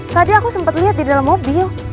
tadi aku sempet liat di dalam mobil